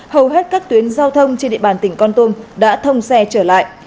hầu hết các tuyến giao thông trên địa bàn tỉnh con tum đã thông xe trở lại